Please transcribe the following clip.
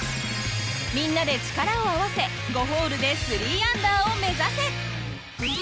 みんなで力を合わせ５ホールで３アンダーを目指せ。